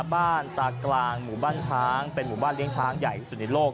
บ้านตากลางหมู่บ้านช้างเป็นหมู่บ้านเลี้ยงช้างใหญ่ที่สุดในโลก